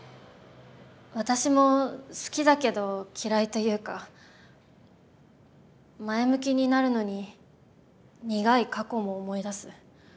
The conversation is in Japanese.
私も好きだけど嫌いというか前向きになるのに苦い過去も思い出す。